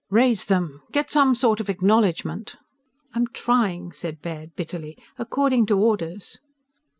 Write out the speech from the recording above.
Raise them! Get some sort of acknowledgment!_" "I'm trying," said Baird bitterly, "according to orders!"